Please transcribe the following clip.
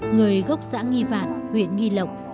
người gốc xã nghi vạn huyện nghi lộng